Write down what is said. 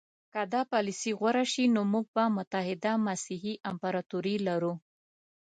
که دا پالیسي غوره شي نو موږ به متحده مسیحي امپراطوري لرو.